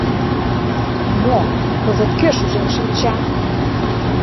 Мо, кызыт кӧ шужен шинча?